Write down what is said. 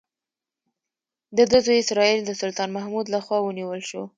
د ده زوی اسراییل د سلطان محمود لخوا ونیول شو.